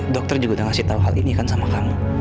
dokter juga udah ngasih tau hal ini kan sama kamu